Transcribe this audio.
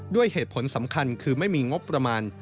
ด้วยเหตุผลสำคัญคือไม่มีงบประมาณ